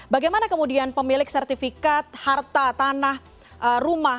bagaimana kemudian pemilik sertifikat harta tanah rumah